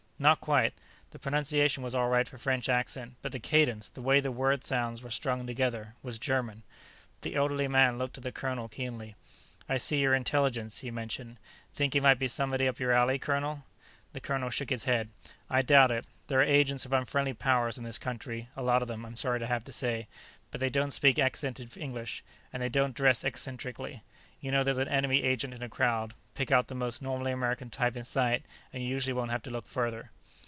"Not quite. The pronunciation was all right for French accent, but the cadence, the way the word sounds were strung together, was German." The elderly man looked at the colonel keenly. "I see you're Intelligence," he mentioned. "Think he might be somebody up your alley, Colonel?" The colonel shook his head. "I doubt it. There are agents of unfriendly powers in this country a lot of them, I'm sorry to have to say. But they don't speak accented English, and they don't dress eccentrically. You know there's an enemy agent in a crowd, pick out the most normally American type in sight and you usually won't have to look further."